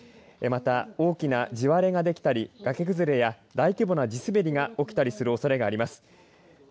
また、大きな地割れができたり崖崩れや大規模な地すべりが起きたりするおそれがあります。